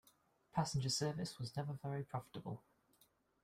Passenger service was never very profitable.